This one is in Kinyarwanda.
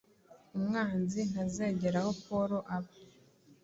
Umwanzi ntazegera aho paul aba